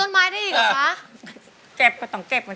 นี่ไง